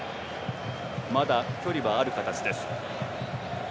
まだ距離はある形。